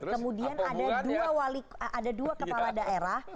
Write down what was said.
kemudian ada dua kepala daerah